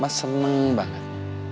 mas seneng banget